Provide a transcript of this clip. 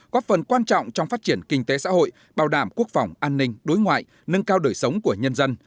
góp phần quan trọng trong phát triển kinh tế xã hội bảo đảm quốc phòng an ninh đối ngoại nâng cao đời sống của nhân dân